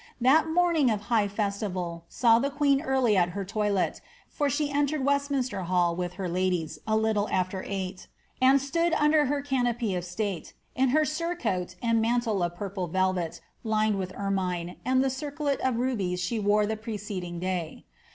That morning of high festival I early at her toilet, for she entered Westminster Hall, with ittle after eight, and stood under her canopy of state, in her lantle of purple velvet, lined with ermine, and the circlet wore the preceding day.